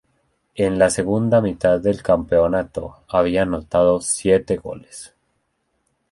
En la segunda mitad del campeonato había anotado siete goles.